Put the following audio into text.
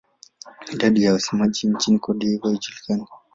Idadi ya wasemaji nchini Cote d'Ivoire haijulikani.